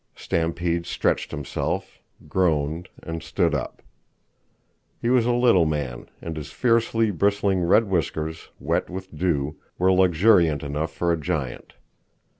Stampede stretched himself, groaned, and stood up. He was a little man, and his fiercely bristling red whiskers, wet with dew, were luxuriant enough for a giant.